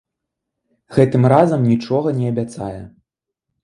Гэтым разам нічога не абяцае.